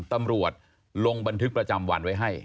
ตำรวจลงบันทึกประจำวันไว้ให้